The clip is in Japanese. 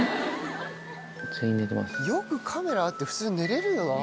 よくカメラあって普通に寝れるよな。